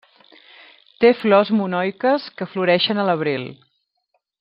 Té flors monoiques que floreixen a l'abril.